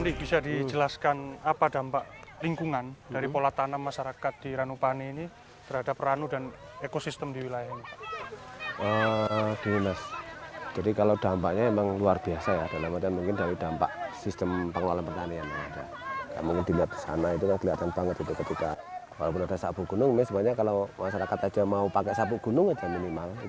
kekhawatiran satu mat menunjukkan keadaan yang terjadi di ranupani